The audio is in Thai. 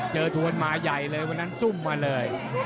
ทวนมาใหญ่เลยวันนั้นซุ่มมาเลย